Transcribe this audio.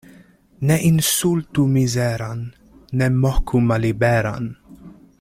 Ne insultu mizeran, ne moku malliberan.